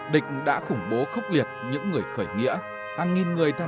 địch đã khủng bố khốc liệt những người khởi nghĩa